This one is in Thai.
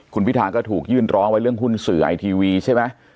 คุณพิธาก็ถูกยื่นร้องไว้เรื่องหุ้นสื่อไอทีวีใช่ไหม